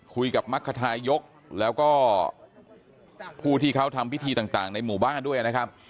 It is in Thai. มรรคทายกแล้วก็ผู้ที่เขาทำพิธีต่างในหมู่บ้านด้วยนะครับ